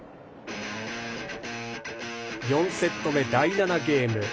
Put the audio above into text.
４セット目第７ゲーム。